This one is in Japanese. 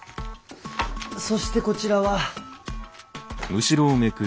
そしてこちらは。